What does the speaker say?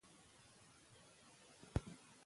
که اسلام عملي سي، تعلیم عامېږي.